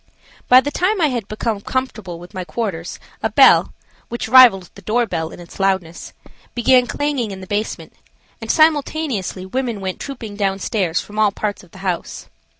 By the time I had become familiar with my quarters a bell, which rivaled the door bell in its loudness, began clanging in the basement, and simultaneously women went trooping down stairs from all parts of the house.